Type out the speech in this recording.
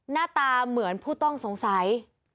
หน้าตาเหมือนผู้ต้องสงสัย